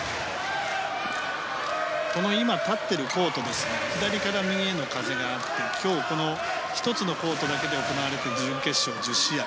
今、立っているコートですが左から右への風が今日、この１つのコートだけで行われている準決勝１０試合。